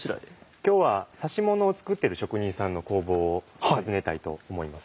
今日は指物を作っている職人さんの工房を訪ねたいと思います。